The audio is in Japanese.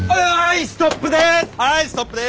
はいストップです！